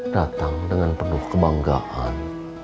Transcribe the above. datang dengan penuh kebanggaan